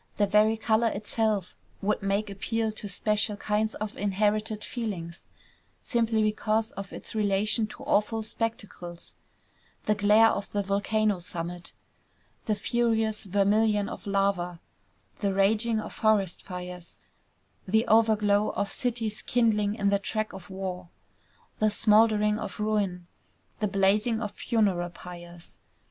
The very color itself would make appeal to special kinds of inherited feelings, simply because of its relation to awful spectacles, the glare of the volcano summit, the furious vermilion of lava, the raging of forest fires, the overglow of cities kindling in the track of war, the smouldering of ruin, the blazing of funeral pyres.